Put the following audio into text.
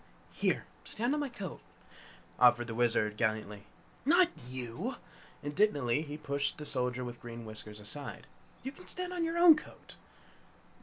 "Here, stand on my coat," offered the Wizard, gallantly. "Not YOU!" Indignantly he pushed the Soldier with Green Whiskers aside. "You can stand on your own coat!"